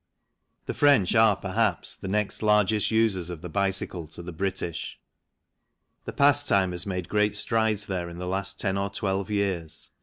The French are, perhaps, the next largest users of the bicycle to the British. The pastime has made great strides there in the last ten or twelve years.